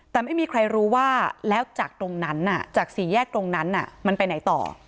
แต่ไม่มีใครรู้ว่าแล้วจากตรงนั้นจากสี่แยกตรงนั้นมันไปไหนต่อ